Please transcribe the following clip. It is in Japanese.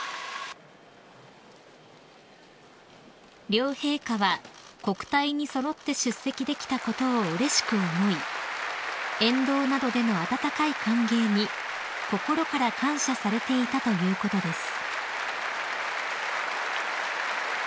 ［両陛下は国体に揃って出席できたことをうれしく思い沿道などでの温かい歓迎に心から感謝されていたということです］